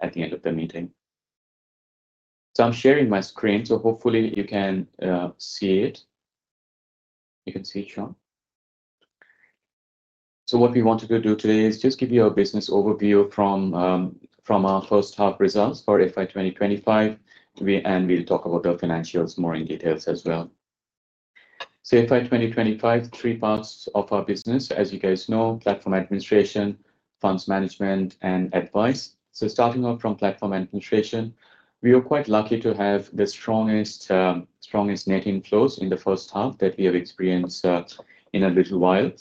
At the end of the meeting. I am sharing my screen, so hopefully you can see it. You can see it, Sean. What we wanted to do today is just give you a business overview from our first half results for FY 2025, and we will talk about the financials more in detail as well. FY 2025, three parts of our business, as you guys know: platform administration, funds management, and advice. Starting off from platform administration, we are quite lucky to have the strongest net inflows in the first half that we have experienced in a little while.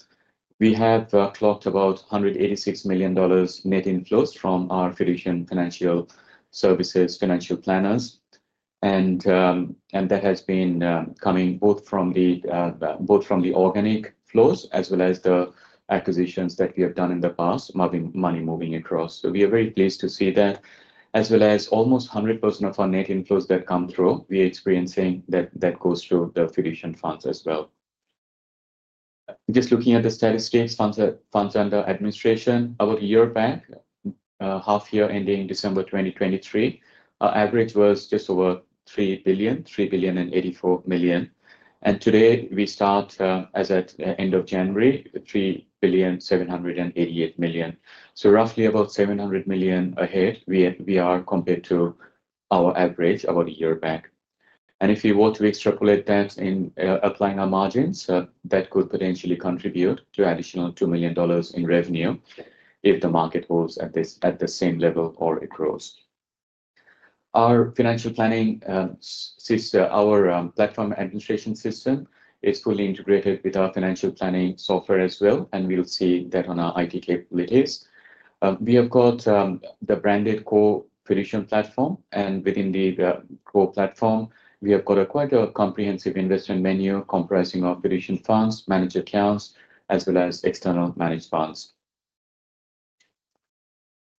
We have clocked about 186 million dollars net inflows from our Fiducian Financial Services financial planners, and that has been coming both from the organic flows as well as the acquisitions that we have done in the past, money moving across. We are very pleased to see that, as well as almost 100% of our net inflows that come through, we are experiencing that goes through the Fiducian funds as well. Just looking at the statistics, funds under administration, about a year back, half year ending December 2023, our average was just over 3 billion, 3 billion and 84 million. Today we start as at end of January, 3 billion 788 million. Roughly about 700 million ahead we are compared to our average about a year back. If you were to extrapolate that in applying our margins, that could potentially contribute to additional 2 million dollars in revenue if the market holds at the same level or it grows. Our financial planning system, our platform administration system, is fully integrated with our financial planning software as well, and we will see that on our IT capabilities. We have got the branded core Fiducian platform, and within the core platform, we have got quite a comprehensive investment menu comprising our Fiducian funds, managed accounts, as well as external managed funds.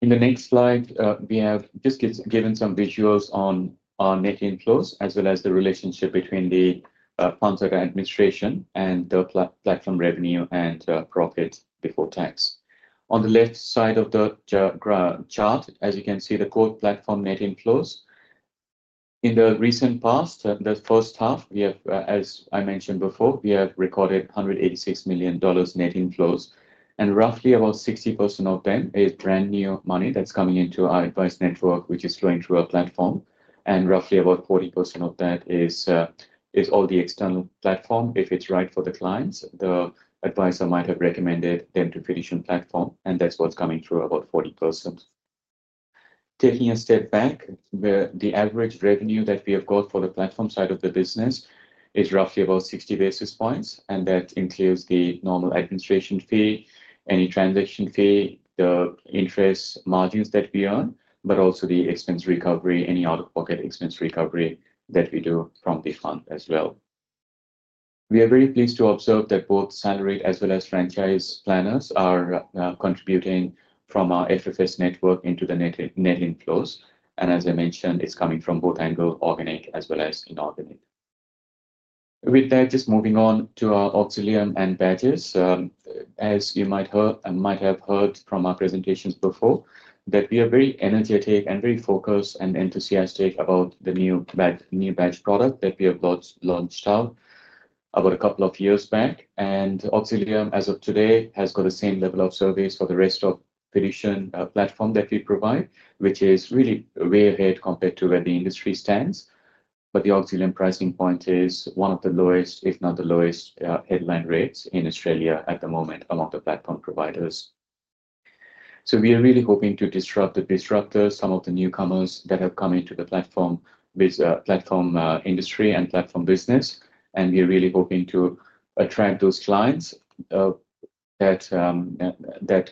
In the next slide, we have just given some visuals on our net inflows as well as the relationship between the funds under administration and the platform revenue and profit before tax. On the left side of the chart, as you can see the core platform net inflows. In the recent past, the first half, as I mentioned before, we have recorded 186 million dollars net inflows, and roughly about 60% of them is brand new money that's coming into our advice network, which is flowing through our platform, and roughly about 40% of that is all the external platform. If it's right for the clients, the advisor might have recommended them to Fiducian platform, and that's what's coming through, about 40%. Taking a step back, the average revenue that we have got for the platform side of the business is roughly about 60 basis points, and that includes the normal administration fee, any transaction fee, the interest margins that we earn, but also the expense recovery, any out-of-pocket expense recovery that we do from the fund as well. We are very pleased to observe that both salaried as well as franchise planners are contributing from our FFS network into the net inflows, and as I mentioned, it's coming from both angle, organic as well as inorganic. With that, just moving on to our Auxilium and Badges. As you might have heard from our presentations before, we are very energetic and very focused and enthusiastic about the new Badges product that we have launched out about a couple of years back, and Auxilium as of today has got the same level of service for the rest of the Fiducian platform that we provide, which is really way ahead compared to where the industry stands. The Auxilium pricing point is one of the lowest, if not the lowest, headline rates in Australia at the moment among the platform providers. We are really hoping to disrupt the disruptors, some of the newcomers that have come into the platform industry and platform business, and we are really hoping to attract those clients that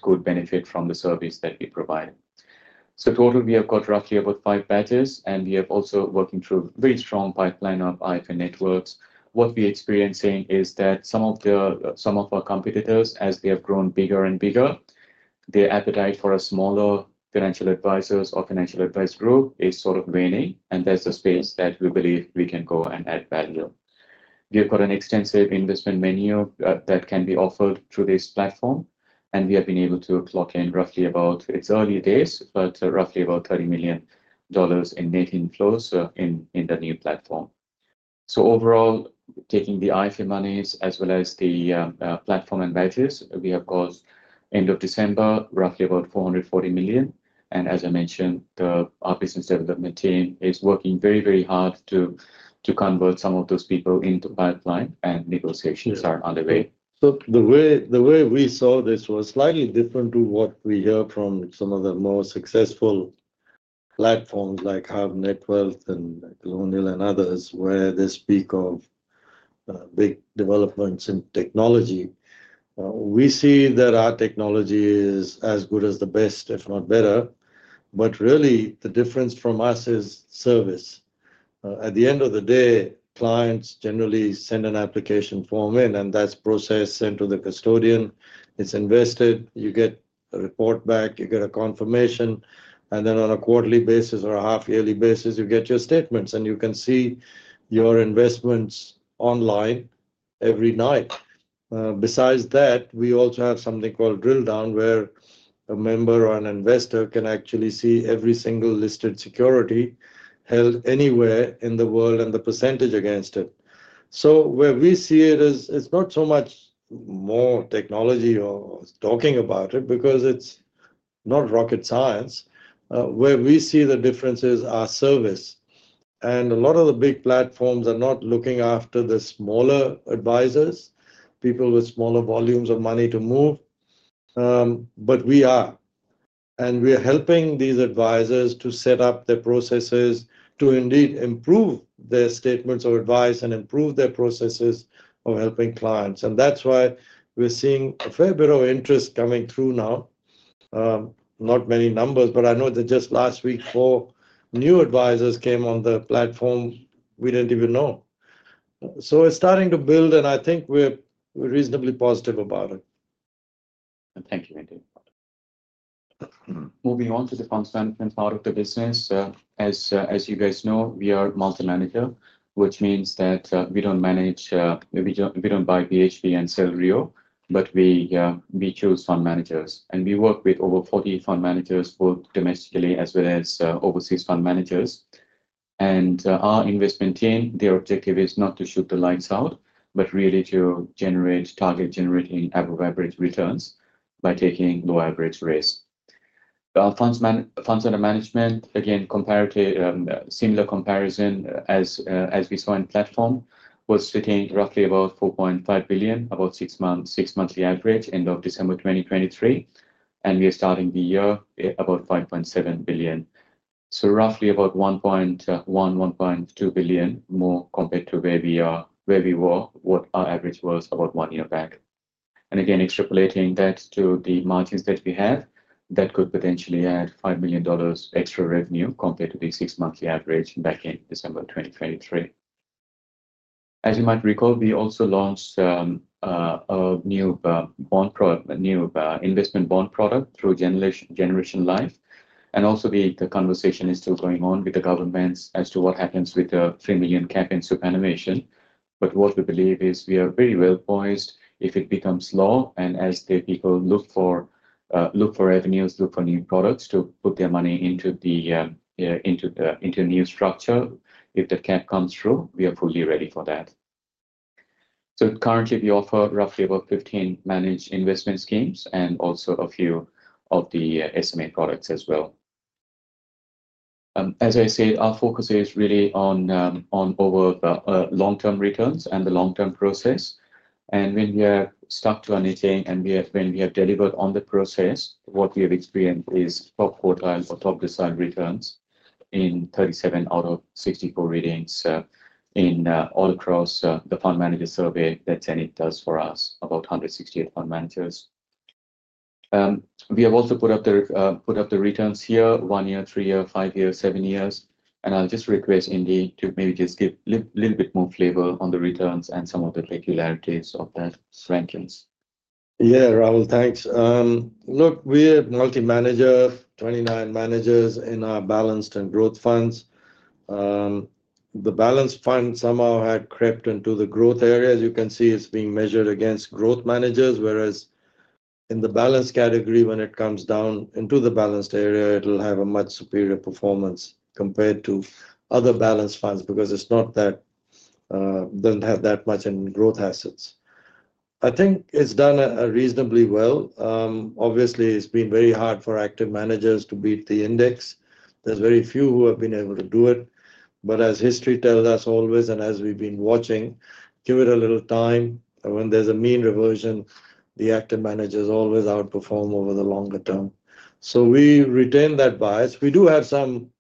could benefit from the service that we provide. Total, we have got roughly about five Badges, and we are also working through a very strong pipeline of IFA networks. What we are experiencing is that some of our competitors, as they have grown bigger and bigger, their appetite for smaller financial advisors or financial advice group is sort of waning, and that's the space that we believe we can go and add value. We have got an extensive investment menu that can be offered through this platform, and we have been able to clock in roughly about, it's early days, but roughly about 30 million dollars in net inflows in the new platform. Overall, taking the IFA monies as well as the platform and Badges, we have got end of December, roughly about 440 million, and as I mentioned, our business development team is working very, very hard to convert some of those people into pipeline, and negotiations are underway. The way we saw this was slightly different to what we hear from some of the more successful platforms like HUB24, Netwealth, and Colonial First State and others, where they speak of big developments in technology. We see that our technology is as good as the best, if not better, but really the difference from us is service. At the end of the day, clients generally send an application form in, and that's processed, sent to the custodian, it's invested, you get a report back, you get a confirmation, and then on a quarterly basis or a half-yearly basis, you get your statements, and you can see your investments online every night. Besides that, we also have something called Drill Down, where a member or an investor can actually see every single listed security held anywhere in the world and the percentage against it. Where we see it is it's not so much more technology or talking about it, because it's not rocket science. Where we see the difference is our service, and a lot of the big platforms are not looking after the smaller advisors, people with smaller volumes of money to move, but we are, and we are helping these advisors to set up their processes to indeed improve their statements of advice and improve their processes of helping clients. That's why we're seeing a fair bit of interest coming through now. Not many numbers, but I know that just last week, four new advisors came on the platform we didn't even know. It's starting to build, and I think we're reasonably positive about it. Thank you, Indy. Moving on to the funds management part of the business, as you guys know, we are multi-manager, which means that we don't manage, we don't buy BHP and sell REO, but we choose fund managers, and we work with over 40 fund managers, both domestically as well as overseas fund managers. Our investment team, their objective is not to shoot the lights out, but really to generate target-generating above-average returns by taking low-average risks. Our funds under management, again, similar comparison as we saw in platform, was sitting roughly about 4.5 billion, about six-monthly average end of December 2023, and we are starting the year about 5.7 billion. Roughly about 1.1-1.2 billion more compared to where we were, what our average was about one year back. Again, extrapolating that to the margins that we have, that could potentially add 5 million dollars extra revenue compared to the six-monthly average back in December 2023. As you might recall, we also launched a new investment bond product through Generation Life, and also the conversation is still going on with the governments as to what happens with the 3 million cap in superannuation. What we believe is we are very well poised if it becomes law, and as the people look for revenues, look for new products to put their money into the new structure, if the cap comes through, we are fully ready for that. Currently, we offer roughly about 15 managed investment schemes and also a few of the SMA products as well. As I said, our focus is really on over the long-term returns and the long-term process. When we have stuck to anything and when we have delivered on the process, what we have experienced is top quartile or top decile returns in 37 out of 64 ratings all across the fund manager survey that Janet does for us, about 168 fund managers. We have also put up the returns here, one year, three years, five years, seven years, and I'll just request Indy to maybe just give a little bit more flavor on the returns and some of the peculiarities of that rankings. Yeah, Rahul, thanks. Look, we're multi-manager, 29 managers in our balanced and growth funds. The balanced fund somehow had crept into the growth area. As you can see, it's being measured against growth managers, whereas in the balanced category, when it comes down into the balanced area, it'll have a much superior performance compared to other balanced funds because it's not that it doesn't have that much in growth assets. I think it's done reasonably well. Obviously, it's been very hard for active managers to beat the index. There's very few who have been able to do it, but as history tells us always, and as we've been watching, give it a little time. When there's a mean reversion, the active managers always outperform over the longer term. So we retain that bias. We do have some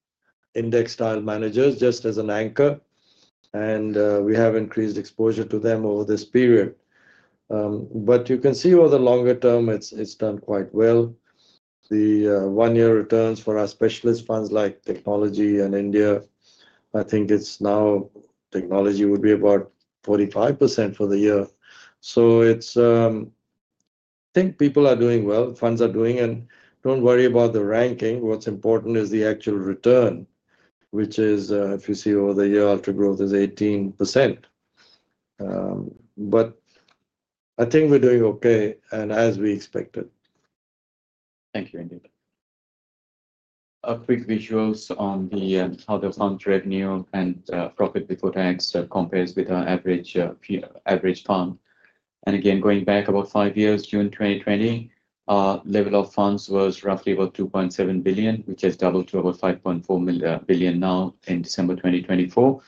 index-style managers just as an anchor, and we have increased exposure to them over this period. You can see over the longer term, it has done quite well. The one-year returns for our specialist funds like technology and India, I think now technology would be about 45% for the year. I think people are doing well, funds are doing, and do not worry about the ranking. What is important is the actual return, which is, if you see over the year, ultra growth is 18%. I think we are doing okay and as we expected. Thank you, Indy. A quick visuals on how the fund revenue and profit before tax compares with our average fund. Again, going back about five years, June 2020, our level of funds was roughly about 2.7 billion, which has doubled to about 5.4 billion now in December 2024,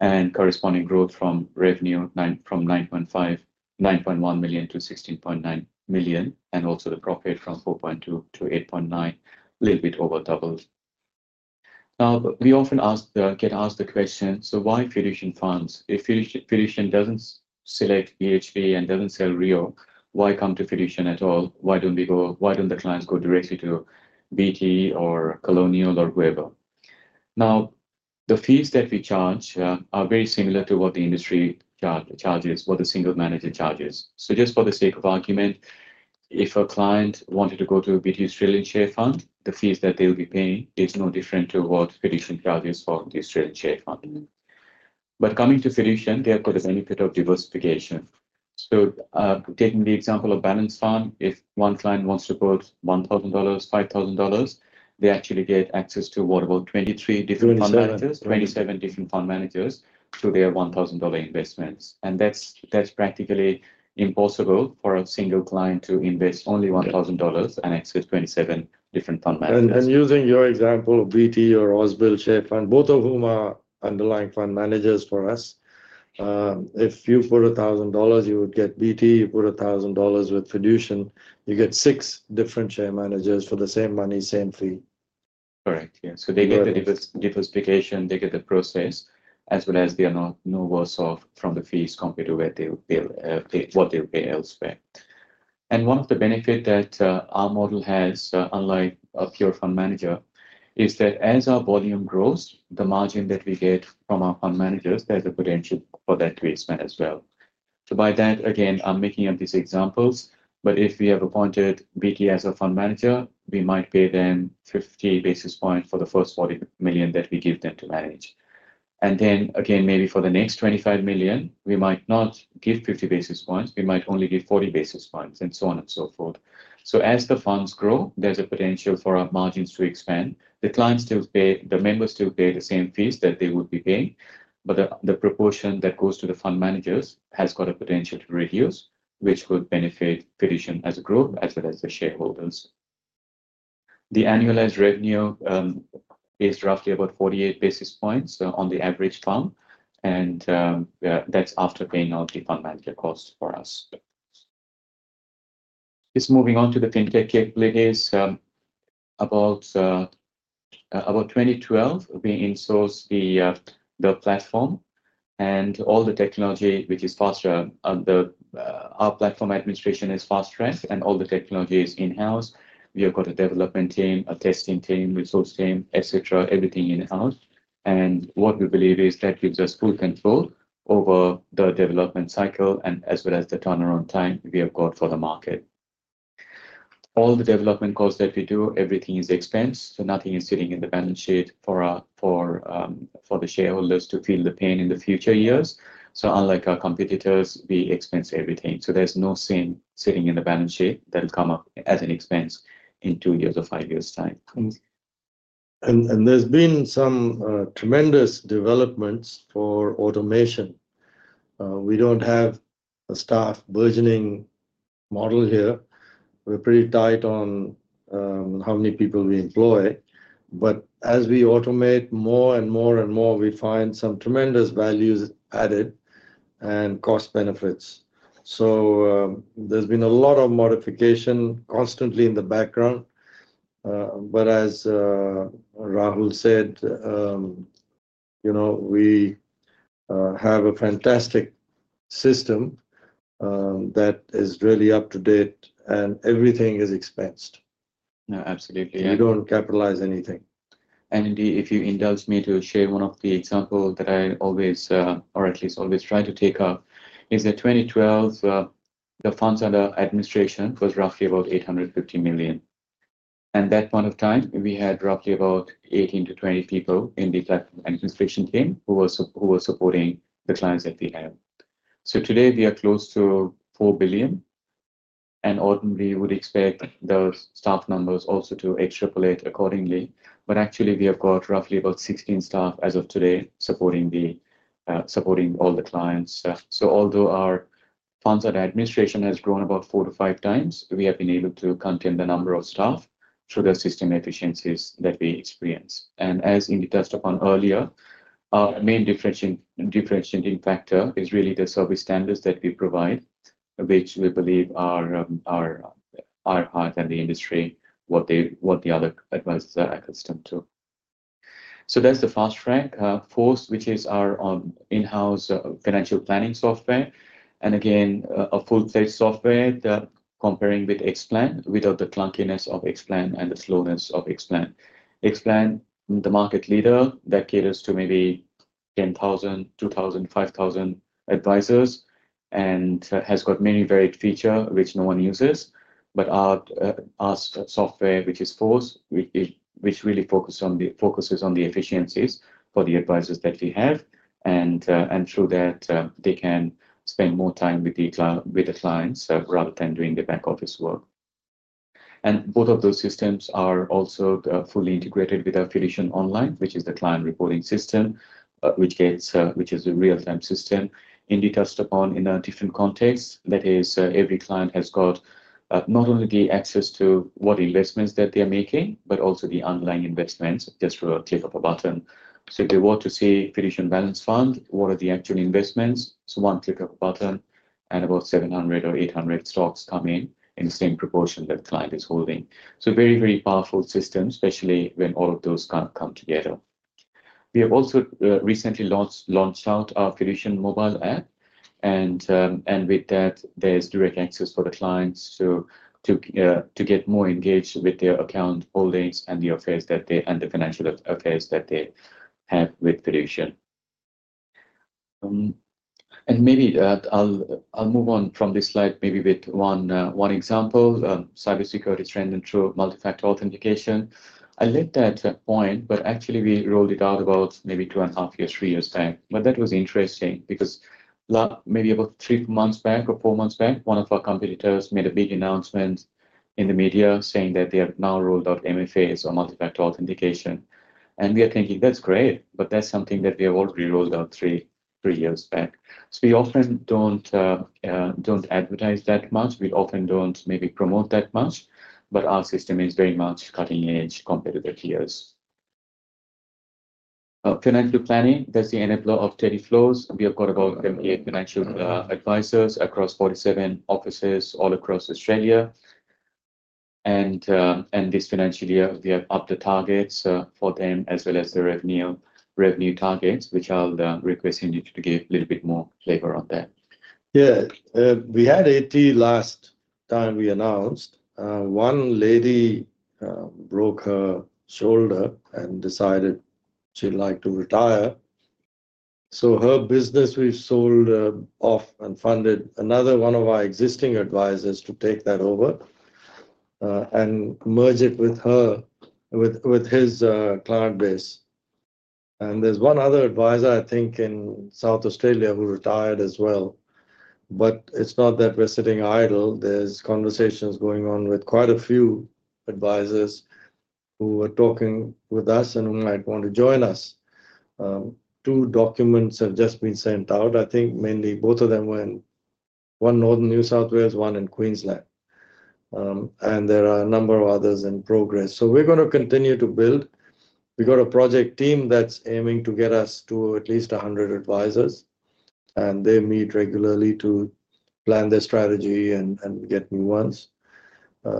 and corresponding growth from revenue from 9.1 million to 16.9 million, and also the profit from 4.2 million to 8.9 million, a little bit over doubled. Now, we often get asked the question, so why Fiducian funds? If Fiducian does not select BHP and does not sell REO, why come to Fiducian at all? Why do not the clients go directly to BT or Colonial or Weber? The fees that we charge are very similar to what the industry charges, what the single manager charges. Just for the sake of argument, if a client wanted to go to BT Australian Share Fund, the fees that they'll be paying is no different to what Fiducian charges for the Australian Share Fund. Coming to Fiducian, they have got a benefit of diversification. Taking the example of balance fund, if one client wants to put 1,000 dollars, 5,000 dollars, they actually get access to what, about 23 different fund managers, 27 different fund managers to their 1,000 dollar investments. That is practically impossible for a single client to invest only 1,000 dollars and access 27 different fund managers. Using your example of BT or Ausbil Share Fund, both of whom are underlying fund managers for us, if you put $1,000, you would get BT, you put $1,000 with Fiducian, you get six different share managers for the same money, same fee. Correct. Yeah. They get the diversification, they get the process, as well as they are no worse off from the fees compared to what they'll pay elsewhere. One of the benefits that our model has, unlike a pure fund manager, is that as our volume grows, the margin that we get from our fund managers, there's a potential for that to expand as well. By that, again, I'm making up these examples, but if we have appointed BT as a fund manager, we might pay them 50 basis points for the first 40 million that we give them to manage. Then, maybe for the next 25 million, we might not give 50 basis points, we might only give 40 basis points, and so on and so forth. As the funds grow, there's a potential for our margins to expand. The clients still pay, the members still pay the same fees that they would be paying, but the proportion that goes to the fund managers has got a potential to reduce, which could benefit Fiducian as a group, as well as the shareholders. The annualized revenue is roughly about 48 basis points on the average fund, and that is after paying out the fund manager cost for us. Just moving on to the fintech case, about 2012, we insourced the platform, and all the technology, which is faster, our platform administration is fast tracked, and all the technology is in-house. We have got a development team, a testing team, resource team, etc., everything in-house. What we believe is that gives us full control over the development cycle and as well as the turnaround time we have got for the market. All the development costs that we do, everything is expensed, so nothing is sitting in the balance sheet for the shareholders to feel the pain in the future years. Unlike our competitors, we expense everything. There is no sin sitting in the balance sheet that will come up as an expense in two years or five years' time. There have been some tremendous developments for automation. We do not have a staff burgeoning model here. We are pretty tight on how many people we employ. As we automate more and more, we find some tremendous values added and cost benefits. There has been a lot of modification constantly in the background. As Rahul said, we have a fantastic system that is really up to date, and everything is expensed. Absolutely. We do not capitalize anything. Indy, if you indulge me to share one of the examples that I always, or at least always try to take up, is that in 2012, the funds under administration was roughly about 850 million. At that point of time, we had roughly about 18-20 people in the administration team who were supporting the clients that we have. Today, we are close to 4 billion, and ordinarily we would expect the staff numbers also to extrapolate accordingly. Actually, we have got roughly about 16 staff as of today supporting all the clients. Although our funds under administration has grown about four to five times, we have been able to contain the number of staff through the system efficiencies that we experience. As Indy touched upon earlier, our main differentiating factor is really the service standards that we provide, which we believe are higher than the industry, what the other advisors are accustomed to. That is the fast track. Force, which is our in-house financial planning software, and again, a full-fledged software comparing with Xplan without the clunkiness of Xplan and the slowness of Xplan. Xplan, the market leader that caters to maybe 10,000, 2,000, 5,000 advisors and has got many varied features which no one uses, but our software, which is Force, which really focuses on the efficiencies for the advisors that we have, and through that, they can spend more time with the clients rather than doing the back office work. Both of those systems are also fully integrated with our Fiducian Online, which is the client reporting system, which is a real-time system. Indy touched upon in a different context that is every client has got not only the access to what investments that they are making, but also the underlying investments just through a click of a button. If they want to see Fiducian Balance Fund, what are the actual investments, it's one click of a button, and about 700 or 800 stocks come in in the same proportion that the client is holding. Very, very powerful system, especially when all of those come together. We have also recently launched out our Fiducian Mobile App, and with that, there's direct access for the clients to get more engaged with their account holdings and the affairs that they and the financial affairs that they have with Fiducian. Maybe I'll move on from this slide maybe with one example, cybersecurity trend and true multi-factor authentication. I left that point, but actually, we rolled it out about maybe two and a half years, three years back. That was interesting because maybe about three months back or four months back, one of our competitors made a big announcement in the media saying that they have now rolled out MFAs or multi-factor authentication. We are thinking, that's great, but that's something that we have already rolled out three years back. We often do not advertise that much. We often do not maybe promote that much, but our system is very much cutting-edge compared to the tiers. Financial planning, that's the enabler of Teddy Flows. We have got about 78 financial advisors across 47 offices all across Australia. This financial year, we have upped the targets for them as well as the revenue targets, which I'll request Indy to give a little bit more flavor on that. Yeah. We had 80 last time we announced. One lady broke her shoulder and decided she'd like to retire. Her business, we've sold off and funded another one of our existing advisors to take that over and merge it with his client base. There is one other advisor, I think, in South Australia who retired as well. It is not that we're sitting idle. There are conversations going on with quite a few advisors who are talking with us and who might want to join us. Two documents have just been sent out. I think mainly both of them were in one Northern New South Wales, one in Queensland. There are a number of others in progress. We are going to continue to build. We've got a project team that's aiming to get us to at least 100 advisors, and they meet regularly to plan their strategy and get new ones.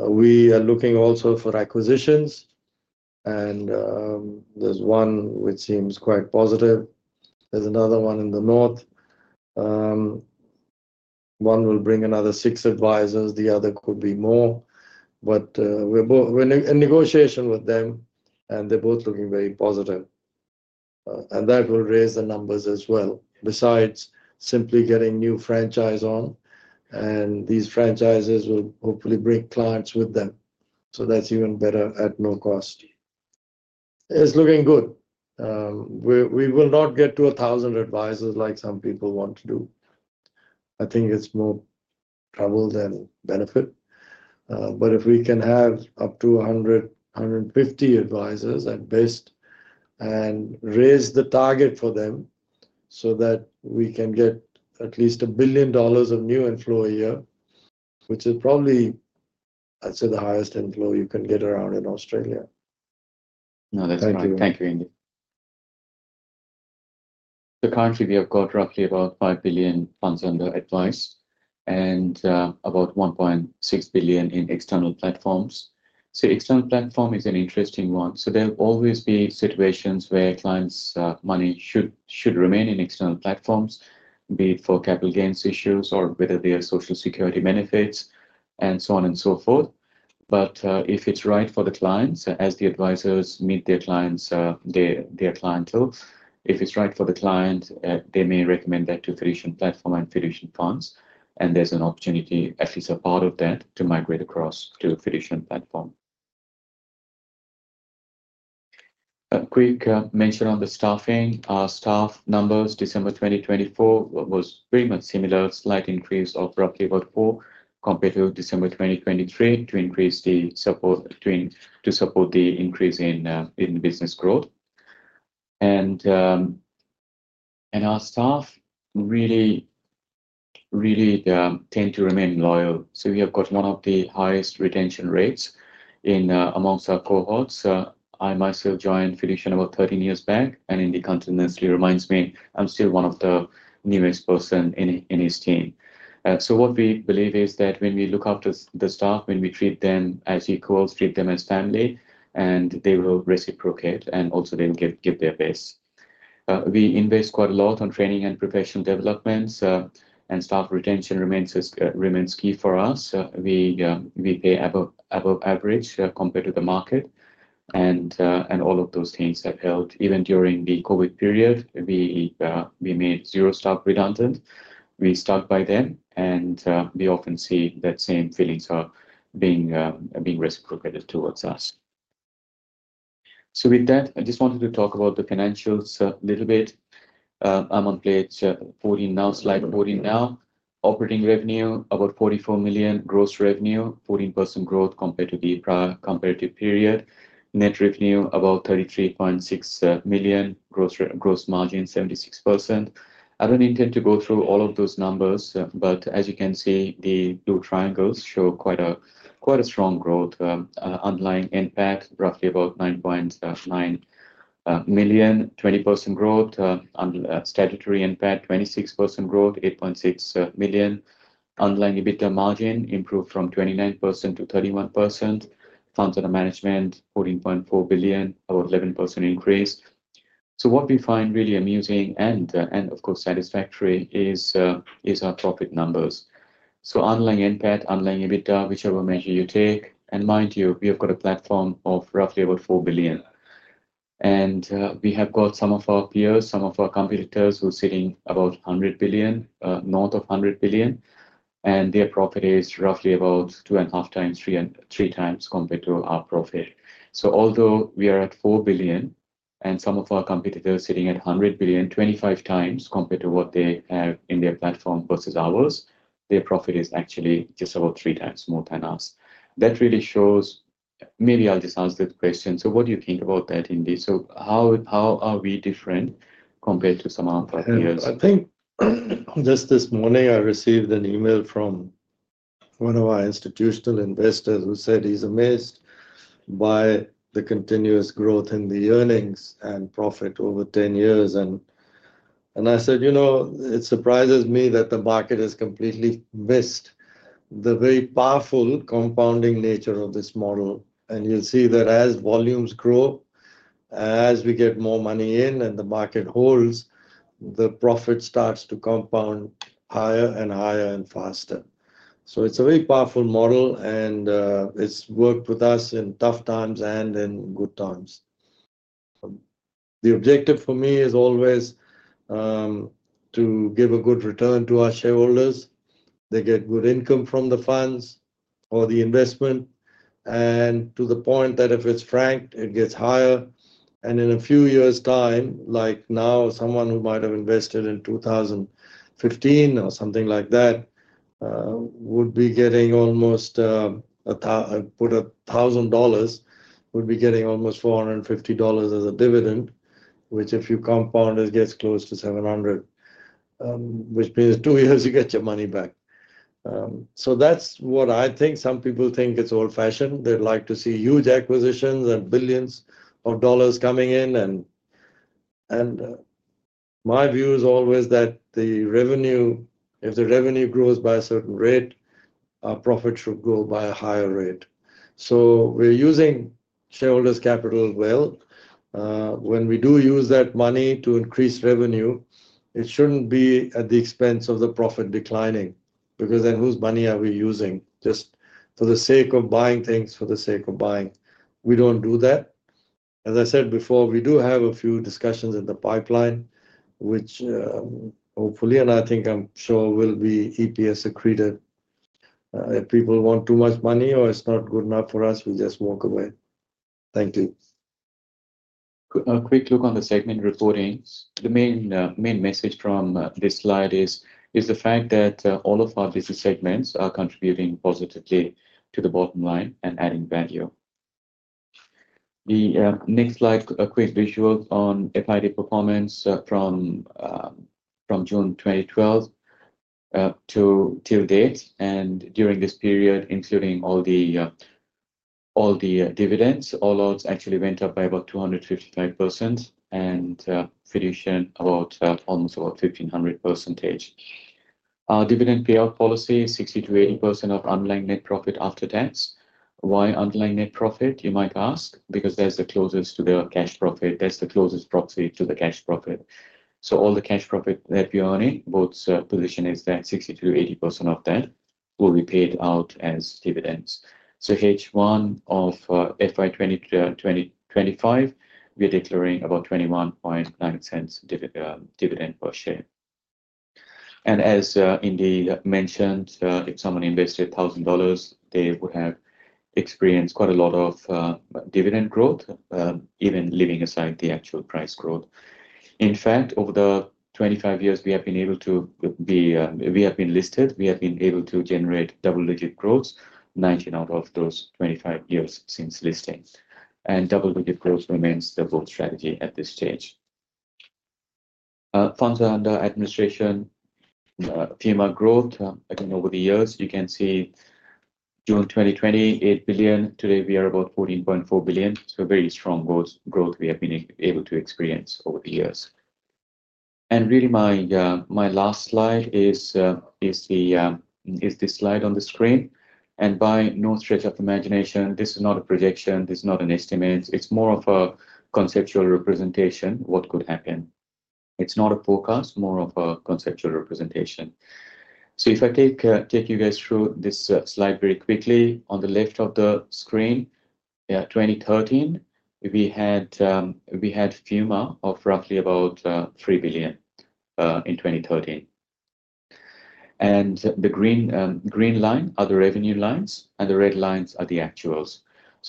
We are looking also for acquisitions, and there's one which seems quite positive. There's another one in the north. One will bring another six advisors. The other could be more, but we're in negotiation with them, and they're both looking very positive. That will raise the numbers as well. Besides simply getting new franchise on, and these franchises will hopefully bring clients with them. That's even better at no cost. It's looking good. We will not get to 1,000 advisors like some people want to do. I think it's more trouble than benefit. If we can have up to 100-150 advisors at best and raise the target for them so that we can get at least 1 billion dollars of new inflow a year, which is probably, I'd say, the highest inflow you can get around in Australia. No, that's fine. Thank you, Indy. Currently, we have got roughly about 5 billion funds under advice and about 1.6 billion in external platforms. External platform is an interesting one. There will always be situations where clients' money should remain in external platforms, be it for capital gains issues or whether they are social security benefits and so on and so forth. If it's right for the clients, as the advisors meet their clients, their clientele, if it's right for the client, they may recommend that to Fiducian Platform and Fiducian Funds. There's an opportunity, at least a part of that, to migrate across to a Fiducian Platform. A quick mention on the staffing. Our staff numbers December 2024 was pretty much similar, slight increase of roughly about four compared to December 2023 to increase the support to support the increase in business growth. Our staff really, really tend to remain loyal. We have got one of the highest retention rates amongst our cohorts. I myself joined Fiducian about 13 years back, and Indy continuously reminds me I am still one of the newest person in his team. What we believe is that when we look after the staff, when we treat them as equals, treat them as family, they will reciprocate, and also they will give their best. We invest quite a lot on training and professional developments, and staff retention remains key for us. We pay above average compared to the market, and all of those things have helped. Even during the COVID period, we made zero staff redundant. We stuck by them, and we often see that same feelings are being reciprocated towards us. With that, I just wanted to talk about the financials a little bit. I'm on page 14 now, slide 14 now. Operating revenue, about 44 million. Gross revenue, 14% growth compared to the prior comparative period. Net revenue, about 33.6 million. Gross margin, 76%. I don't intend to go through all of those numbers, but as you can see, the two triangles show quite a strong growth. Underlying impact, roughly about 9.9 million. 20% growth. Statutory impact, 26% growth, 8.6 million. Underlying EBITDA margin improved from 29% to 31%. Funds under management, 14.4 billion, about 11% increase. What we find really amusing and, of course, satisfactory is our profit numbers. Underlying impact, underlying EBITDA, whichever measure you take. Mind you, we have got a platform of roughly about 4 billion. We have got some of our peers, some of our competitors who are sitting about 100 billion, north of 100 billion, and their profit is roughly about two and a half times, three times compared to our profit. Although we are at 4 billion and some of our competitors sitting at 100 billion, 25 times compared to what they have in their platform versus ours, their profit is actually just about three times more than us. That really shows maybe I will just ask the question. What do you think about that, Indy? How are we different compared to some of our peers? I think just this morning, I received an email from one of our institutional investors who said he's amazed by the continuous growth in the earnings and profit over 10 years. I said, you know, it surprises me that the market has completely missed the very powerful compounding nature of this model. You'll see that as volumes grow, as we get more money in and the market holds, the profit starts to compound higher and higher and faster. It is a very powerful model, and it's worked with us in tough times and in good times. The objective for me is always to give a good return to our shareholders. They get good income from the funds or the investment, and to the point that if it's franked, it gets higher. In a few years' time, like now, someone who might have invested in 2015 or something like that would be getting almost, put $1,000, would be getting almost $450 as a dividend, which if you compound, it gets close to $700, which means two years you get your money back. That is what I think. Some people think it is old-fashioned. They would like to see huge acquisitions and billions of dollars coming in. My view is always that if the revenue grows by a certain rate, our profit should grow by a higher rate. We are using shareholders' capital well. When we do use that money to increase revenue, it should not be at the expense of the profit declining because then whose money are we using? Just for the sake of buying things, for the sake of buying. We do not do that. As I said before, we do have a few discussions in the pipeline, which hopefully, and I think I'm sure will be EPS accretive. If people want too much money or it's not good enough for us, we just walk away. Thank you. A quick look on the segment reportings. The main message from this slide is the fact that all of our business segments are contributing positively to the bottom line and adding value. The next slide, a quick visual on FID performance from June 2012 till date. During this period, including all the dividends, all odds actually went up by about 255% and Fiducian about almost about 1,500%. Our dividend payout policy is 60%-80% of underlying net profit after tax. Why underlying net profit, you might ask? Because that's the closest to the cash profit. That's the closest proxy to the cash profit. All the cash profit that we earn, both position is that 60%-80% of that will be paid out as dividends. H1 of FY 2025, we are declaring about 0.219 dividend per share. As Indy mentioned, if someone invested $1,000, they would have experienced quite a lot of dividend growth, even leaving aside the actual price growth. In fact, over the 25 years we have been listed, we have been able to generate double-digit growth, 19 out of those 25 years since listing. Double-digit growth remains the growth strategy at this stage. Funds under administration, FUA growth, again, over the years, you can see June 2020, 8 billion. Today, we are about 14.4 billion. Very strong growth we have been able to experience over the years. Really, my last slide is this slide on the screen. By no stretch of imagination, this is not a projection. This is not an estimate. It is more of a conceptual representation of what could happen. It is not a forecast, more of a conceptual representation. If I take you guys through this slide very quickly, on the left of the screen, 2013, we had FUM of roughly about 3 billion in 2013. The green line are the revenue lines, and the red lines are the actuals.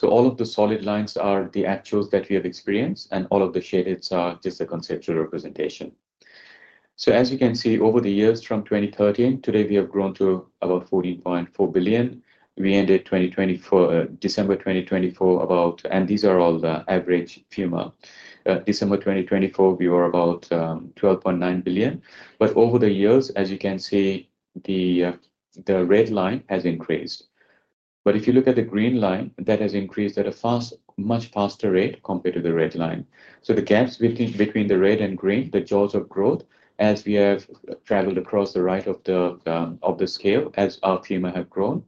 All of the solid lines are the actuals that we have experienced, and all of the shaded are just a conceptual representation. As you can see, over the years from 2013, today we have grown to about 14.4 billion. We ended December 2024 about, and these are all the average FUM. December 2024, we were about 12.9 billion. Over the years, as you can see, the red line has increased. If you look at the green line, that has increased at a much faster rate compared to the red line. The gaps between the red and green, the jaws of growth, as we have traveled across the right of the scale, as our FUM have grown,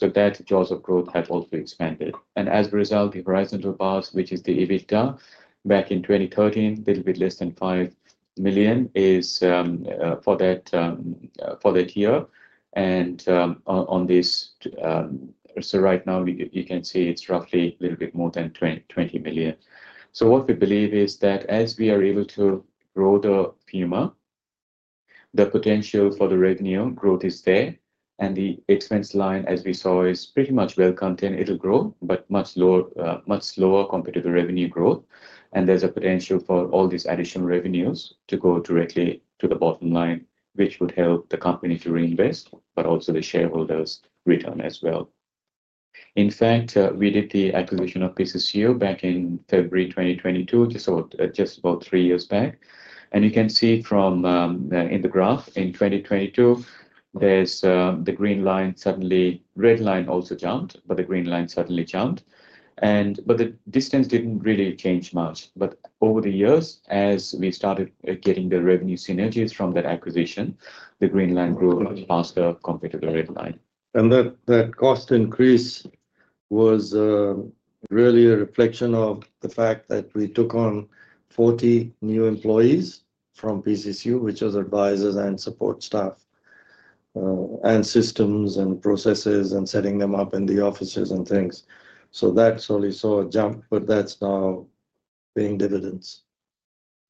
that jaws of growth have also expanded. As a result, the horizontal bars, which is the EBITDA back in 2013, a little bit less than 5 million for that year. On this, right now, you can see it is roughly a little bit more than 20 million. What we believe is that as we are able to grow the FUM, the potential for the revenue growth is there. The expense line, as we saw, is pretty much well contained. It will grow, but much slower compared to the revenue growth. There is a potential for all these additional revenues to go directly to the bottom line, which would help the company to reinvest, but also the shareholders' return as well. In fact, we did the acquisition of PCCO back in February 2022, just about three years back. You can see from in the graph, in 2022, the green line suddenly, red line also jumped, but the green line suddenly jumped. The distance did not really change much. Over the years, as we started getting the revenue synergies from that acquisition, the green line grew much faster compared to the red line. That cost increase was really a reflection of the fact that we took on 40 new employees from PCCO, which was advisors and support staff and systems and processes and setting them up in the offices and things. That is what we saw jump, but that is now paying dividends.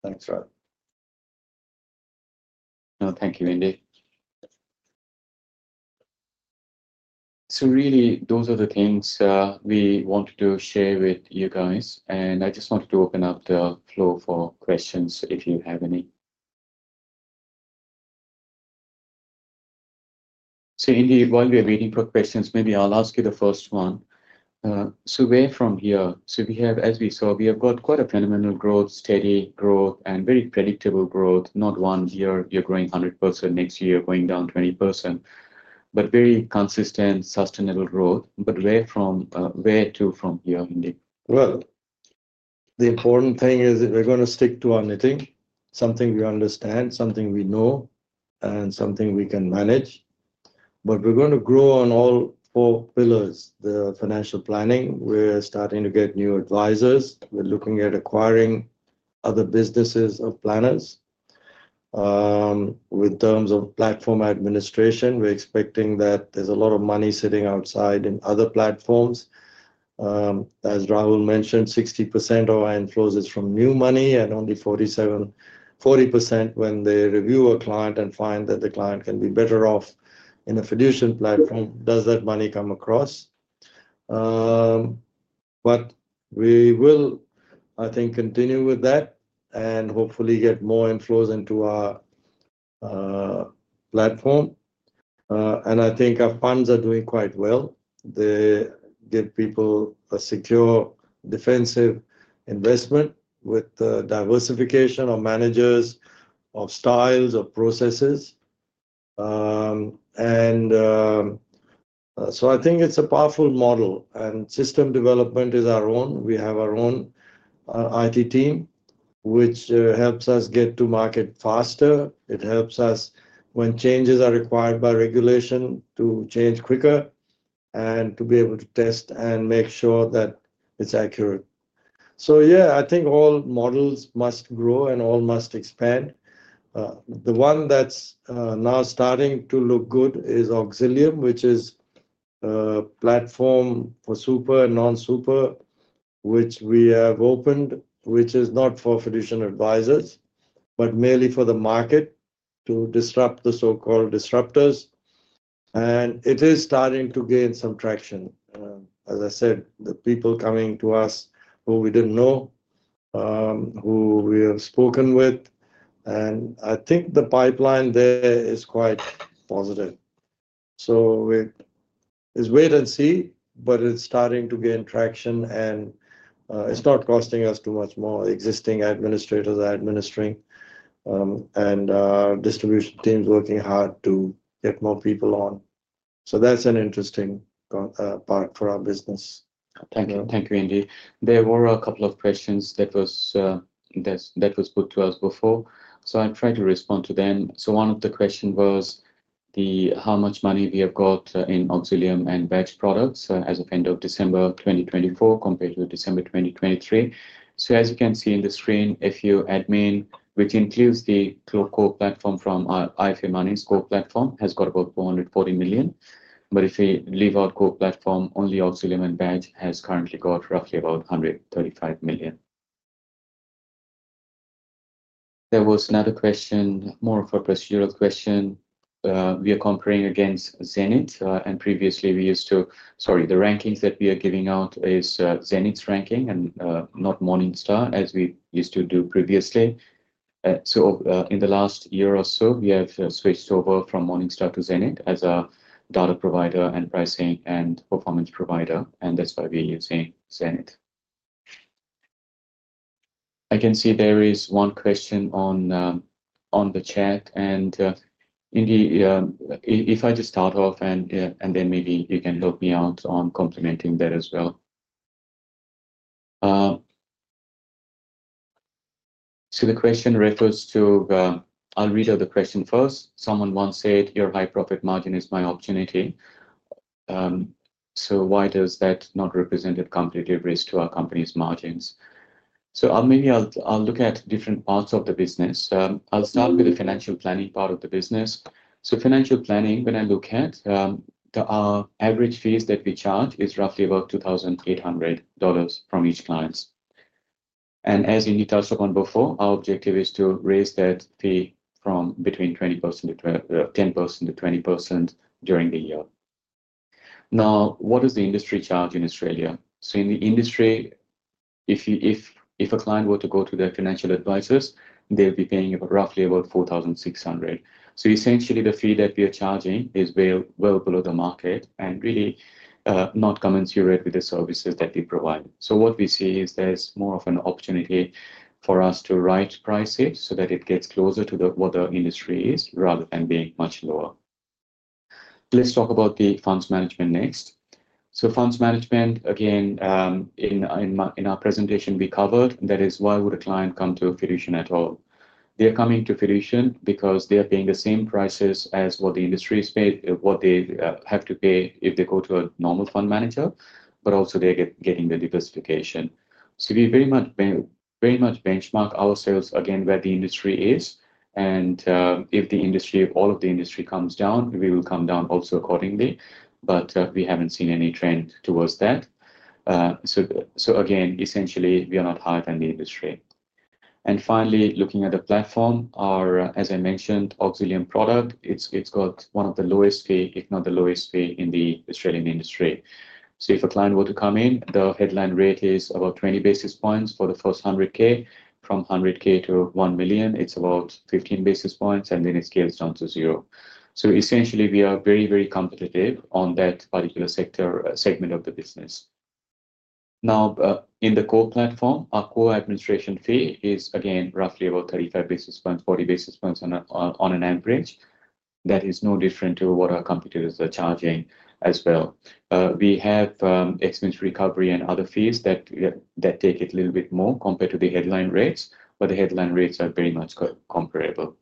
That is right. No, thank you, Indy. Those are the things we wanted to share with you guys. I just wanted to open up the floor for questions if you have any. Indy, while we're waiting for questions, maybe I'll ask you the first one. Where from here? As we saw, we have got quite a phenomenal growth, steady growth, and very predictable growth. Not one year you're growing 100%, next year going down 20%, but very consistent, sustainable growth. Where to from here, Indy? The important thing is that we're going to stick to our knitting, something we understand, something we know, and something we can manage. We are going to grow on all four pillars, the financial planning. We're starting to get new advisors. We're looking at acquiring other businesses of planners. With terms of platform administration, we're expecting that there's a lot of money sitting outside in other platforms. As Rahul mentioned, 60% of our inflows is from new money and only 40% when they review a client and find that the client can be better off in a Fiducian platform, does that money come across. We will, I think, continue with that and hopefully get more inflows into our platform. I think our funds are doing quite well. They give people a secure, defensive investment with the diversification of managers, of styles, of processes. I think it's a powerful model. System development is our own. We have our own IT team, which helps us get to market faster. It helps us when changes are required by regulation to change quicker and to be able to test and make sure that it's accurate. Yeah, I think all models must grow and all must expand. The one that's now starting to look good is Auxilium, which is a platform for super and non-super, which we have opened, which is not for Fiducian advisors, but mainly for the market to disrupt the so-called disruptors. It is starting to gain some traction. As I said, the people coming to us who we didn't know, who we have spoken with, and I think the pipeline there is quite positive. Let's wait and see, but it is starting to gain traction and it is not costing us too much more. Existing administrators are administering and distribution teams are working hard to get more people on. That is an interesting part for our business. Thank you, Indy. There were a couple of questions that were put to us before. I'll try to respond to them. One of the questions was how much money we have got in Auxilium and Badges products as of end of December 2024 compared to December 2023. As you can see on the screen, Funds Under Administration, which includes the core platform from IFA Money's core platform, has got about 440 million. If we leave out core platform, only Auxilium and Badges has currently got roughly about 135 million. There was another question, more of a procedural question. We are comparing against Zenith, and previously we used to, sorry, the rankings that we are giving out is Zenith's ranking and not Morningstar, as we used to do previously. In the last year or so, we have switched over from Morningstar to Zenith as a data provider and pricing and performance provider, and that's why we're using Zenith. I can see there is one question on the chat, and Indy, if I just start off and then maybe you can help me out on complementing that as well. The question refers to, I'll read out the question first. Someone once said, "Your high profit margin is my opportunity. So why does that not represent a competitive risk to our company's margins?" Maybe I'll look at different parts of the business. I'll start with the financial planning part of the business. Financial planning, when I look at, our average fees that we charge is roughly about 2,800 dollars from each client. As Indy touched upon before, our objective is to raise that fee from between 10% and 20% during the year. Now, what does the industry charge in Australia? In the industry, if a client were to go to their financial advisors, they'll be paying roughly about 4,600. Essentially, the fee that we are charging is well below the market and really not commensurate with the services that we provide. What we see is there's more of an opportunity for us to right price it so that it gets closer to what the industry is rather than being much lower. Let's talk about the funds management next. Funds management, again, in our presentation, we covered that is why would a client come to Fiducian at all. They are coming to Fiducian because they are paying the same prices as what the industry is paid, what they have to pay if they go to a normal fund manager, but also they are getting the diversification. We very much benchmark ourselves again where the industry is. If the industry, all of the industry comes down, we will come down also accordingly. We have not seen any trend towards that. Essentially, we are not higher than the industry. Finally, looking at the platform, as I mentioned, Auxilium product, it has got one of the lowest fee, if not the lowest fee in the Australian industry. If a client were to come in, the headline rate is about 20 basis points for the first 100,000. From 100,000 to 1 million, it is about 15 basis points, and then it scales down to zero. Essentially, we are very, very competitive on that particular sector segment of the business. Now, in the core platform, our core administration fee is again roughly about 35 basis points, 40 basis points on an average. That is no different to what our competitors are charging as well. We have expense recovery and other fees that take it a little bit more compared to the headline rates, but the headline rates are very much comparable.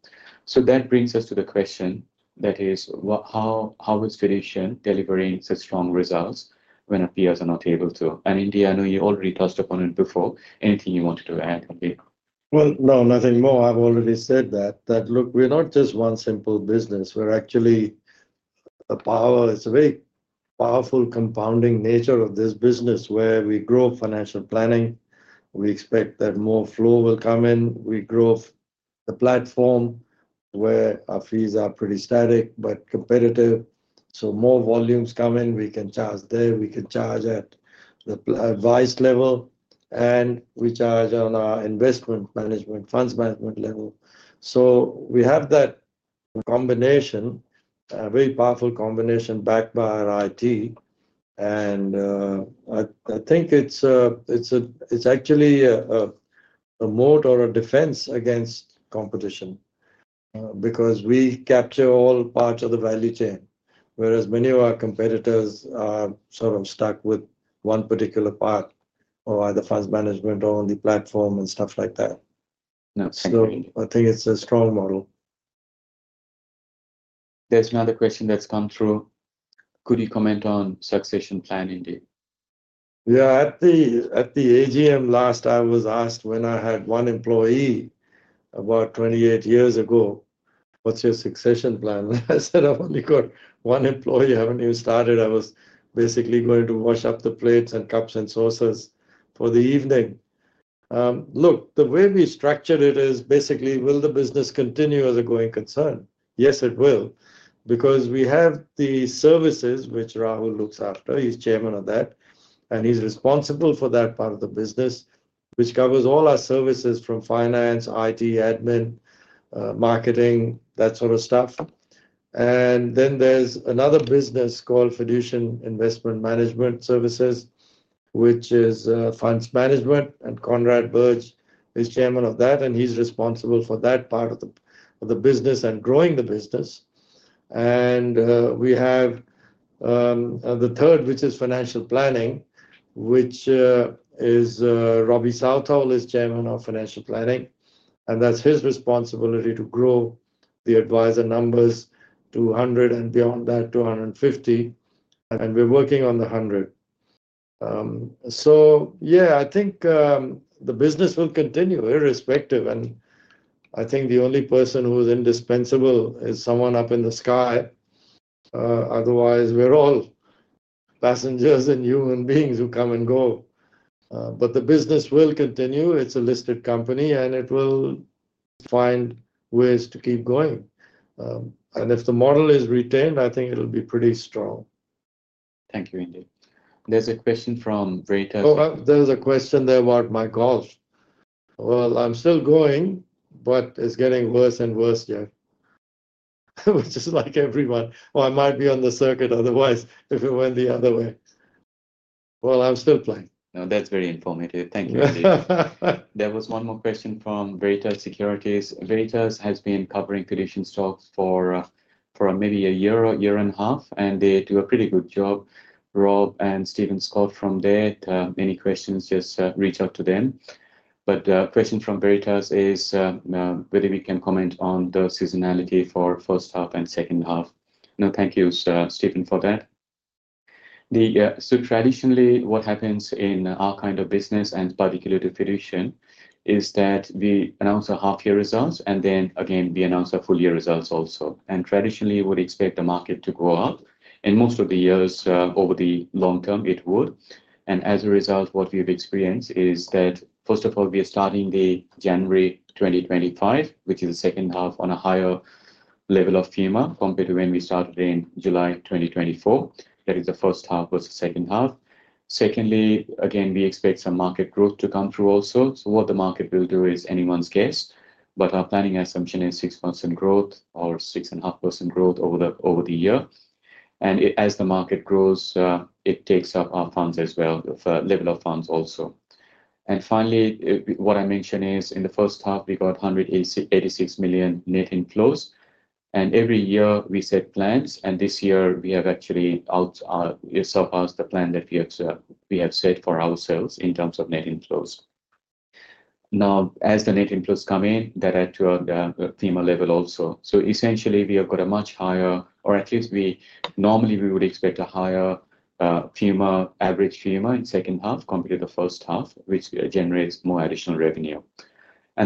That brings us to the question that is, how is Fiducian delivering such strong results when our peers are not able to? Indy, I know you already touched upon it before. Anything you wanted to add, Indy? Nothing more. I've already said that. Look, we're not just one simple business. We're actually a power, it's a very powerful compounding nature of this business where we grow financial planning. We expect that more flow will come in. We grow the platform where our fees are pretty static, but competitive. More volumes come in, we can charge there. We can charge at the advice level, and we charge on our investment management, funds management level. We have that combination, a very powerful combination backed by our IT. I think it's actually a moat or a defense against competition because we capture all parts of the value chain, whereas many of our competitors are sort of stuck with one particular part or either funds management or only platform and stuff like that. I think it's a strong model. There's another question that's come through. Could you comment on succession plan, Indy? Yeah. At the AGM last, I was asked when I had one employee about 28 years ago, "What's your succession plan?" I said, "I've only got one employee. I haven't even started. I was basically going to wash up the plates and cups and saucers for the evening." Look, the way we structured it is basically, will the business continue as a going concern? Yes, it will. Because we have the services, which Rahul looks after. He's Chairman of that, and he's responsible for that part of the business, which covers all our services from finance, IT, admin, marketing, that sort of stuff. There is another business called Fiducian Investment Management Services, which is funds management, and Conrad Burge is Chairman of that, and he's responsible for that part of the business and growing the business. We have the third, which is Financial Planning, which is Robbie Southall is Chairman of Financial Planning, and that's his responsibility to grow the advisor numbers to 100 and beyond that, 250, and we're working on the 100. I think the business will continue irrespective, and I think the only person who is indispensable is someone up in the sky. Otherwise, we're all passengers and human beings who come and go. The business will continue. It's a listed company, and it will find ways to keep going. If the model is retained, I think it'll be pretty strong. Thank you, Indy. There's a question from BRETA. Oh, there's a question there about my golf. I'm still going, but it's getting worse and worse, Jeff, which is like everyone. I might be on the circuit otherwise if it went the other way. I'm still playing. No, that's very informative. Thank you, Indy. There was one more question from BRETA Securities. BRETA has been covering Fiducian stocks for maybe a year or year and a half, and they do a pretty good job. Rob and Steven Scott from there, any questions, just reach out to them. The question from BRETA is whether we can comment on the seasonality for first half and second half. Thank you, Steven, for that. Traditionally, what happens in our kind of business, and particularly at Fiducian, is that we announce half-year results, and then again, we announce full-year results also. Traditionally, we would expect the market to go up. In most of the years, over the long term, it would. As a result, what we've experienced is that, first of all, we are starting January 2025, which is the second half, on a higher level of FEMA compared to when we started in July 2024. That is the first half versus second half. Secondly, again, we expect some market growth to come through also. What the market will do is anyone's guess, but our planning assumption is 6% growth or 6.5% growth over the year. As the market grows, it takes up our funds as well, level of funds also. Finally, what I mentioned is in the first half, we got 186 million net inflows. Every year we set plans, and this year we have actually surpassed the plan that we have set for ourselves in terms of net inflows. Now, as the net inflows come in, that adds to the FEMA level also. Essentially, we have got a much higher, or at least normally we would expect a higher FUM, average FUM in second half compared to the first half, which generates more additional revenue.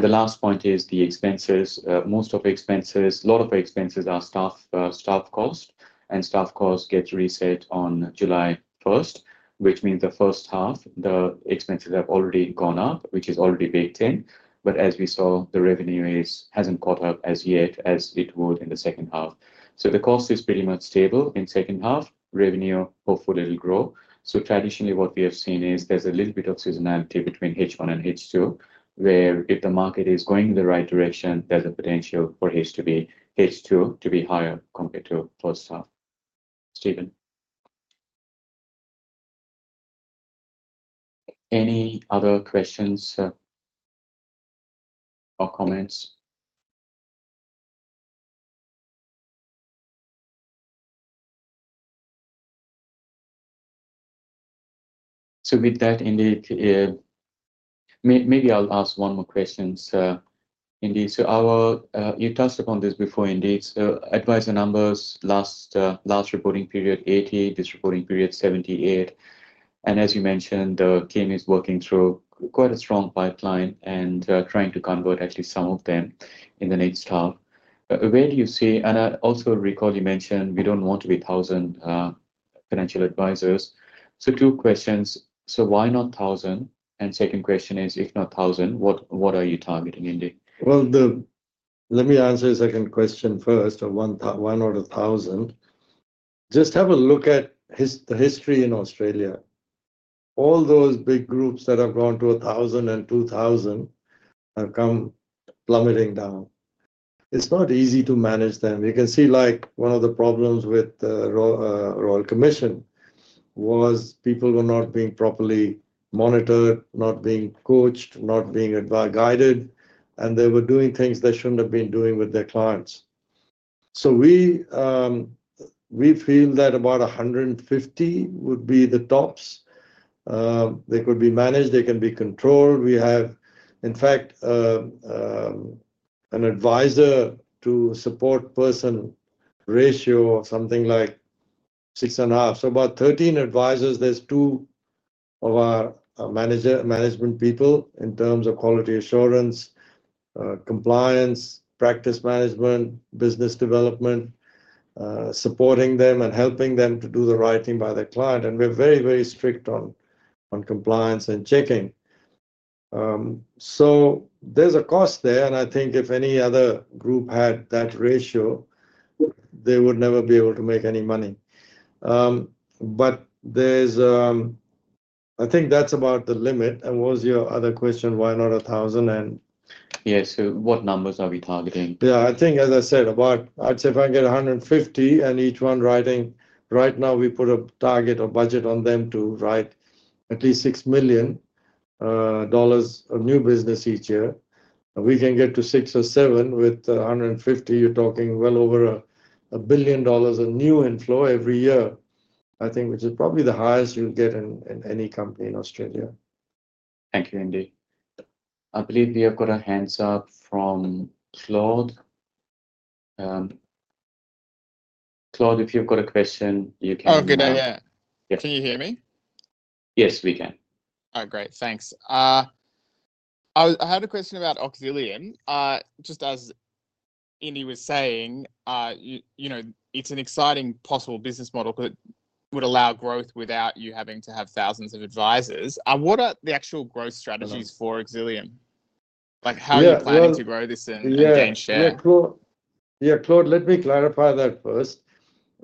The last point is the expenses. Most of the expenses, a lot of expenses are staff cost, and staff cost gets reset on July 1, which means the first half, the expenses have already gone up, which is already baked in. As we saw, the revenue has not caught up as yet as it would in the second half. The cost is pretty much stable in second half. Revenue, hopefully, will grow. Traditionally, what we have seen is there is a little bit of seasonality between H1 and H2, where if the market is going in the right direction, there is a potential for H2 to be higher compared to first half. Steven, any other questions or comments? With that, Indy, maybe I'll ask one more question. You touched upon this before, Indy. Advisor numbers, last reporting period 80, this reporting period 78. As you mentioned, the team is working through quite a strong pipeline and trying to convert at least some of them in the next half. Where do you see, and I also recall you mentioned we do not want to be 1,000 financial advisors. Two questions. Why not 1,000? Second question is, if not 1,000, what are you targeting, Indy? Let me answer your second question first, one or a thousand. Just have a look at the history in Australia. All those big groups that have gone to 1,000 and 2,000 have come plummeting down. It's not easy to manage them. You can see one of the problems with the Royal Commission was people were not being properly monitored, not being coached, not being guided, and they were doing things they shouldn't have been doing with their clients. We feel that about 150 would be the tops. They could be managed. They can be controlled. We have, in fact, an advisor to support person ratio of something like 6.5. About 13 advisors. There are two of our management people in terms of quality assurance, compliance, practice management, business development, supporting them and helping them to do the right thing by their client. We are very, very strict on compliance and checking. There is a cost there, and I think if any other group had that ratio, they would never be able to make any money. I think that is about the limit. What was your other question? Why not 1,000? Yeah. What numbers are we targeting? Yeah. I think, as I said, I'd say if I get 150 and each one writing, right now we put a target or budget on them to write at least 6 million dollars of new business each year. We can get to 6 or 7 with 150. You're talking well over 1 billion dollars of new inflow every year, I think, which is probably the highest you'll get in any company in Australia. Thank you, Indy. I believe we have got a hands-up from Claude. Claude, if you've got a question, you can go. Oh, good. Yeah. Can you hear me? Yes, we can. All right. Great. Thanks. I had a question about Auxilium. Just as Indy was saying, it's an exciting possible business model because it would allow growth without you having to have thousands of advisors. What are the actual growth strategies for Auxilium? How are you planning to grow this and gain share? Yeah, Claude, let me clarify that first.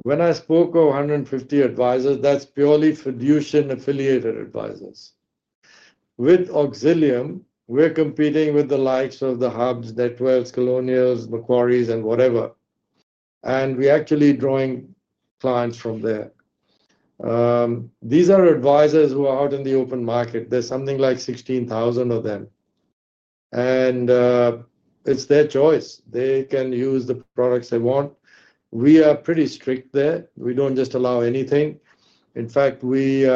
When I spoke of 150 advisors, that's purely Fiducian-affiliated advisors. With Auxilium, we're competing with the likes of the HUB24s, Netwealth, Colonial First State, Macquarie, and whatever. We're actually drawing clients from there. These are advisors who are out in the open market. There's something like 16,000 of them. It's their choice. They can use the products they want. We are pretty strict there. We don't just allow anything. In fact, we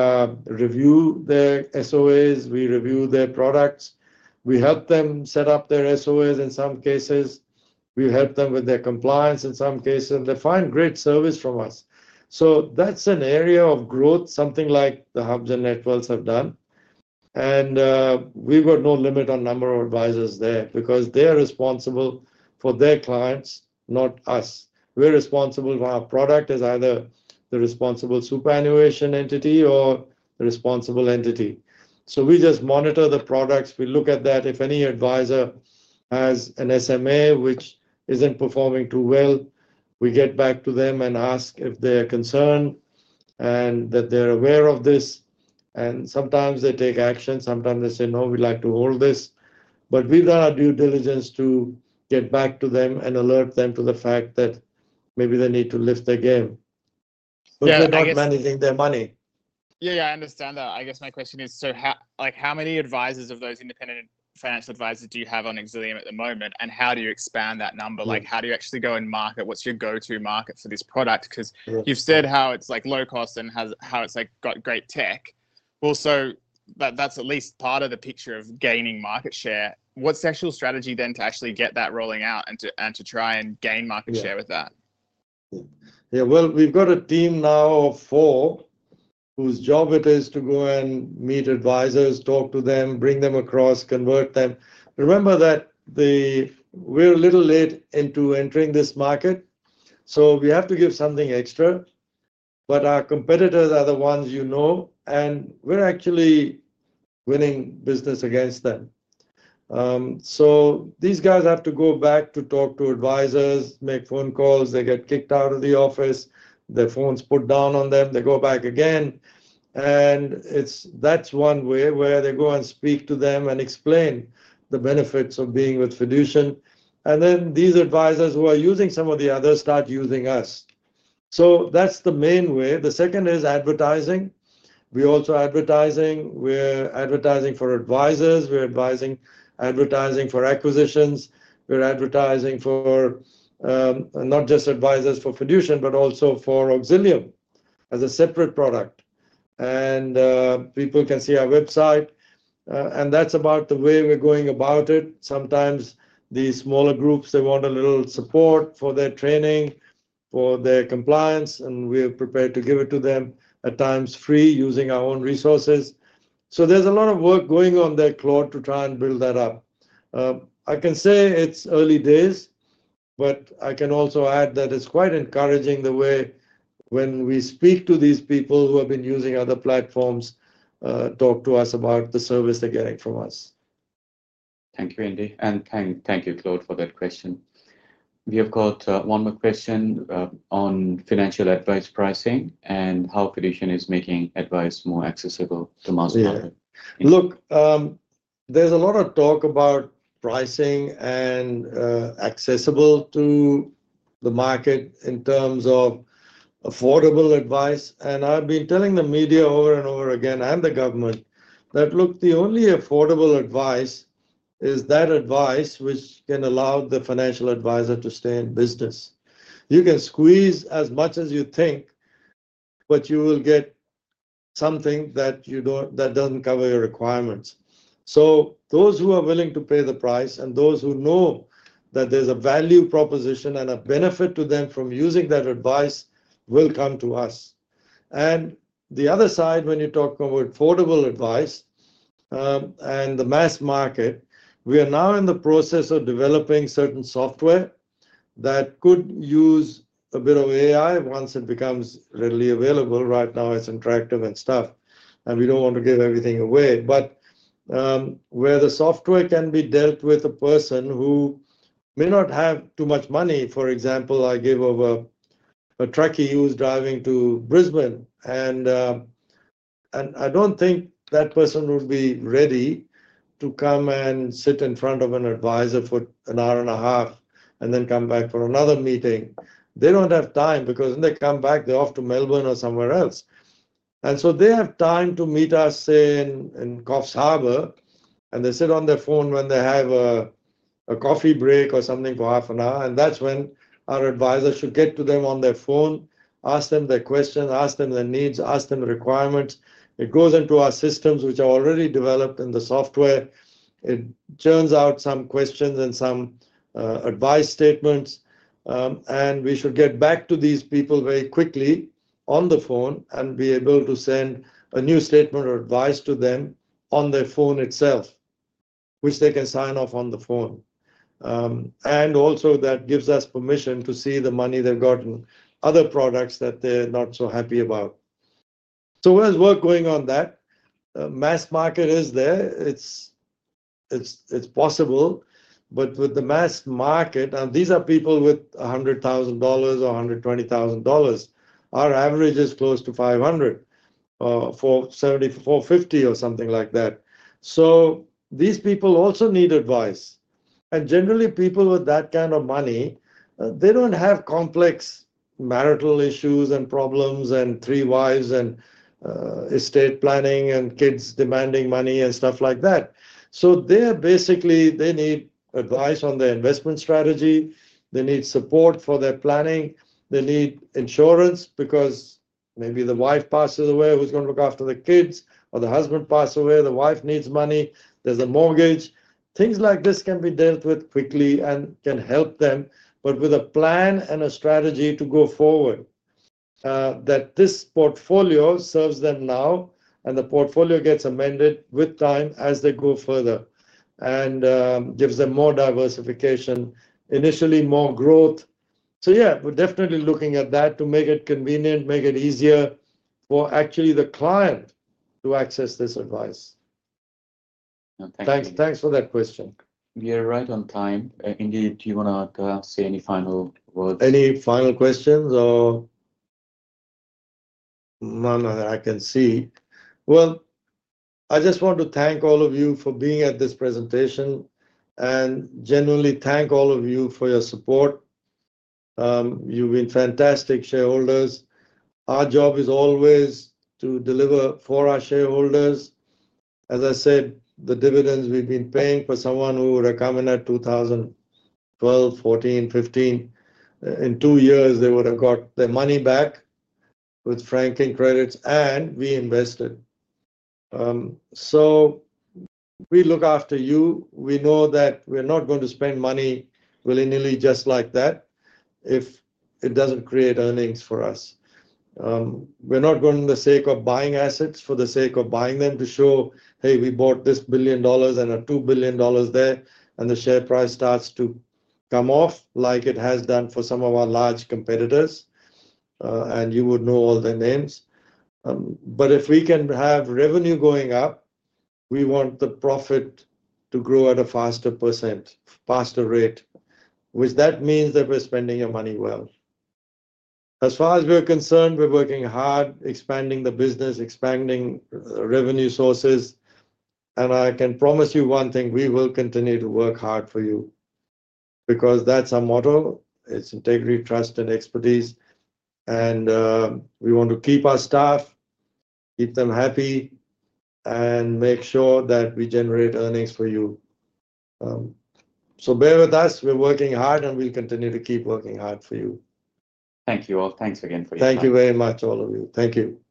review their Statements of Advice. We review their products. We help them set up their Statements of Advice in some cases. We help them with their compliance in some cases. They find great service from us. That is an area of growth, something like what HUB24 and Netwealth have done. We've got no limit on number of advisors there because they are responsible for their clients, not us. We're responsible for our product as either the responsible superannuation entity or the responsible entity. We just monitor the products. We look at that. If any advisor has an SMA which isn't performing too well, we get back to them and ask if they are concerned and that they're aware of this. Sometimes they take action. Sometimes they say, "No, we'd like to hold this." We've done our due diligence to get back to them and alert them to the fact that maybe they need to lift their game. They're not managing their money. Yeah, yeah. I understand that. I guess my question is, how many advisors of those independent financial advisors do you have on Auxilium at the moment? How do you expand that number? How do you actually go and market? What's your go-to market for this product? Because you've said how it's low cost and how it's got great tech. Also, that's at least part of the picture of gaining market share. What's the actual strategy then to actually get that rolling out and to try and gain market share with that? Yeah. We have a team now of four whose job it is to go and meet advisors, talk to them, bring them across, convert them. Remember that we're a little late into entering this market, so we have to give something extra. Our competitors are the ones you know, and we're actually winning business against them. These guys have to go back to talk to advisors, make phone calls. They get kicked out of the office. Their phones put down on them. They go back again. That is one way where they go and speak to them and explain the benefits of being with Fiducian. These advisors who are using some of the others start using us. That is the main way. The second is advertising. We are also advertising. We are advertising for advisors. We are advertising for acquisitions. We're advertising for not just advisors for Fiducian, but also for Auxilium as a separate product. People can see our website. That is about the way we're going about it. Sometimes the smaller groups want a little support for their training, for their compliance, and we're prepared to give it to them at times free using our own resources. There is a lot of work going on there, Claude, to try and build that up. I can say it's early days, but I can also add that it's quite encouraging the way when we speak to these people who have been using other platforms talk to us about the service they're getting from us. Thank you, Indy. Thank you, Claude, for that question. We have got one more question on financial advice pricing and how Fiducian is making advice more accessible to most people. Look, there is a lot of talk about pricing and accessible to the market in terms of affordable advice. I have been telling the media over and over again and the government that, look, the only affordable advice is that advice which can allow the financial advisor to stay in business. You can squeeze as much as you think, but you will get something that does not cover your requirements. Those who are willing to pay the price and those who know that there is a value proposition and a benefit to them from using that advice will come to us. The other side, when you talk about affordable advice and the mass market, we are now in the process of developing certain software that could use a bit of AI once it becomes readily available. Right now, it is interactive and stuff, and we do not want to give everything away. Where the software can be dealt with a person who may not have too much money, for example, I gave over a trucky who's driving to Brisbane. I don't think that person would be ready to come and sit in front of an advisor for an hour and a half and then come back for another meeting. They don't have time because when they come back, they're off to Melbourne or somewhere else. They have time to meet us in Coffs Harbour, and they sit on their phone when they have a coffee break or something for half an hour. That's when our advisor should get to them on their phone, ask them their questions, ask them their needs, ask them requirements. It goes into our systems, which are already developed in the software. It churns out some questions and some advice statements. We should get back to these people very quickly on the phone and be able to send a new statement or advice to them on their phone itself, which they can sign off on the phone. Also, that gives us permission to see the money they've got in other products that they're not so happy about. There is work going on that. Mass market is there. It's possible. With the mass market, and these are people with 100,000 dollars or 120,000 dollars, our average is close to 500,000, 450,000 or something like that. These people also need advice. Generally, people with that kind of money, they do not have complex marital issues and problems and three wives and estate planning and kids demanding money and stuff like that. Basically, they need advice on their investment strategy. They need support for their planning. They need insurance because maybe the wife passes away. Who's going to look after the kids? Or the husband passes away. The wife needs money. There's a mortgage. Things like this can be dealt with quickly and can help them. With a plan and a strategy to go forward, that this portfolio serves them now, and the portfolio gets amended with time as they go further and gives them more diversification, initially more growth. Yeah, we're definitely looking at that to make it convenient, make it easier for actually the client to access this advice. Thanks. Thanks for that question. We are right on time. Indy, do you want to say any final words? Any final questions or? None that I can see. I just want to thank all of you for being at this presentation and genuinely thank all of you for your support. You've been fantastic shareholders. Our job is always to deliver for our shareholders. As I said, the dividends we've been paying for someone who would have come in at 2012, 2014, 2015, in two years, they would have got their money back with franking credits, and we invested. We look after you. We know that we're not going to spend money willy-nilly just like that if it does not create earnings for us. We are not going for the sake of buying assets for the sake of buying them to show, "Hey, we bought this billion dollars and a $2 billion there," and the share price starts to come off like it has done for some of our large competitors. You would know all their names. If we can have revenue going up, we want the profit to grow at a faster %, faster rate, which means that we're spending your money well. As far as we're concerned, we're working hard, expanding the business, expanding revenue sources. I can promise you one thing: we will continue to work hard for you because that's our motto. It's integrity, trust, and expertise. We want to keep our staff, keep them happy, and make sure that we generate earnings for you. Bear with us. We're working hard, and we'll continue to keep working hard for you. Thank you all. Thanks again for your time. Thank you very much, all of you. Thank you.